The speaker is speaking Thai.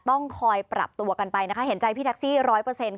ต้องคอยปรับตัวกันไปนะคะเห็นใจพี่แท็กซี่ร้อยเปอร์เซ็นค่ะ